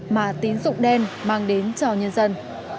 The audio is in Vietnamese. mà tín dụng đen mang đến cho nhân dân